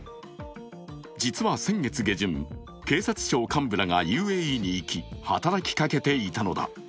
実は先月下旬、警察庁患部らがＵＡＥに行き、働きかけていたのだ。